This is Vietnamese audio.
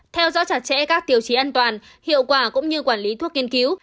theo dõi chặt chẽ các tiêu chí an toàn hiệu quả cũng như quản lý thuốc kiên cứu